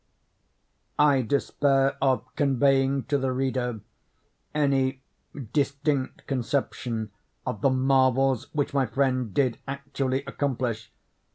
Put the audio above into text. I despair of conveying to the reader any distinct conception of the marvels which my friend did actually accomplish.